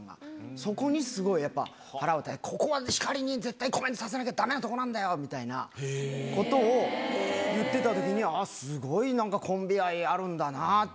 そこにすごいやっぱ腹を立てて、ここは光にコメントさせなきゃだめなとこなんだよみたいな、言ってたときには、あー、すごいなんか、コンビ愛あるんだなって。